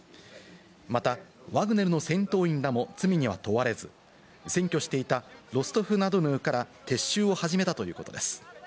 また、ワグネルの戦闘員らも罪には問われず、占拠していたロストフナドヌーから撤収を始めたということです。